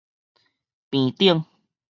坪頂